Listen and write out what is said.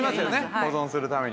保存するために。